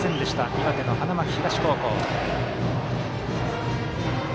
岩手の花巻東高校。